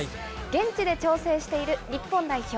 現地で調整している日本代表。